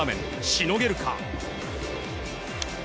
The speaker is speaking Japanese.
しのげるか。